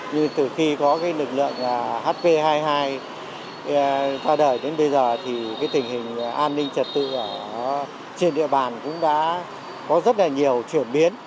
như từ khi có lực lượng hp hai mươi hai qua đời đến bây giờ thì tình hình an ninh trật tự trên địa bàn cũng đã có rất là nhiều chuyển biến